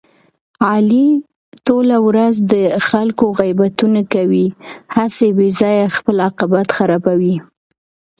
علي ټوله ورځ د خلکو غیبتونه کوي، هسې بې ځایه خپل عاقبت خرابوي.